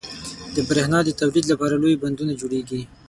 • د برېښنا د تولید لپاره لوی بندونه جوړېږي.